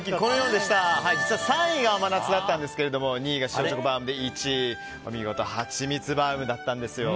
実は３位が甘夏だったんですが２位が塩チョコバウムで１位、お見事はちみつバウムだったんですよ。